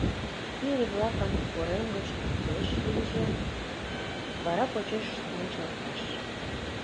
Пире-влакым корем гыч луктеш лийже, вара почешышт мунчалташ.